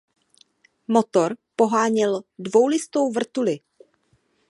Motor poháněl dvoulistou vrtuli.